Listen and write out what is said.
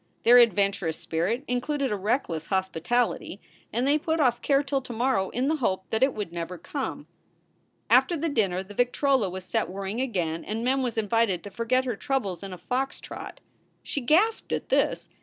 Their adventurous spirit included a reckless hospitality and they put off care till to morrow in the hope that it would never come. After the dinner the victrola was set whirring again and Mem was invited to forget her troubles in a fox trot. She gasped at this.